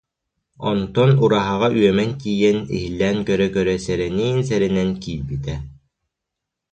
Онтон ураһаҕа үөмэн тиийэн, иһиллээн көрө-көрө, сэрэ- ниин-сэрэнэн киирбитэ